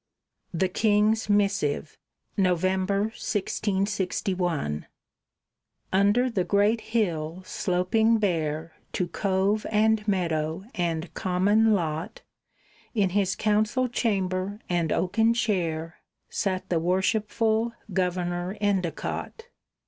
THE KING'S MISSIVE [November, 1661] Under the great hill sloping bare To cove and meadow and Common lot, In his council chamber and oaken chair, Sat the worshipful Governor Endicott.